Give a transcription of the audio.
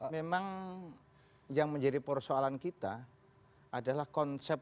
memang yang menjadi persoalan kita adalah konsep